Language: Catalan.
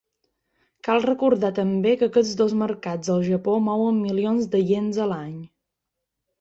Cal recordar també que aquests dos mercats al Japó mouen milions de iens a l'any.